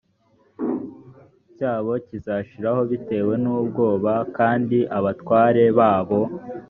cyabo kizashiraho bitewe n ubwoba kandi abatware babo